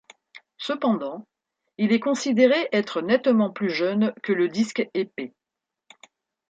Cependant, il est considéré être nettement plus jeune que le disque épais.